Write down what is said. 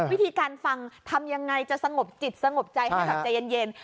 วิธีการฟังทำอย่างไรจะสงบจิตสงบใจหลักใจเย็น